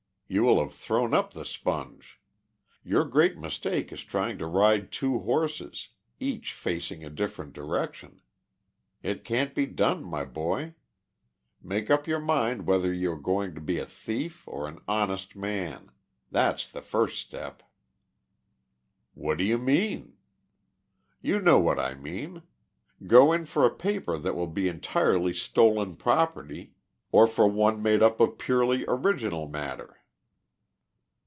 You will have thrown up the Sponge. Your great mistake is trying to ride two horses, each facing a different direction. It can't be done, my boy. Make up your mind whether you are going to be a thief or an honest man. That's the first step." "What do you mean?" "You know what I mean. Go in for a paper that will be entirely stolen property, or for one made up of purely original matter."